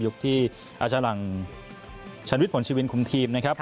ที่อาจารย์หลังชันวิทย์ผลชีวินคุมทีมนะครับ